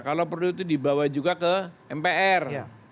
kalau perlu itu dibawa juga ke mpr